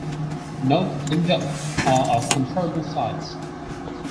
Knowth and Dowth are of comparable size.